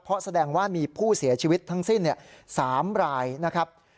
เพราะแสดงว่ามีผู้เสียชีวิตทั้งสิ้น๓รายนะครับ